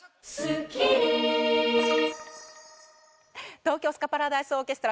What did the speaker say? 東京スカパラダイスオーケストラ